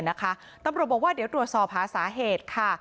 ตำรวจบอกว่าเดี๋ยวตรวจสอบหาสาเหตุค่ะ